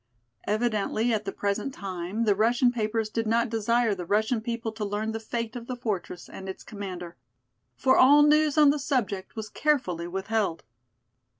Evidently at the present time the Russian papers did not desire the Russian people to learn the fate of the fortress and its commander. For all news on the subject was carefully withheld.